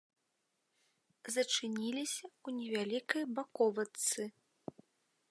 Зачыніліся ў невялікай баковачцы.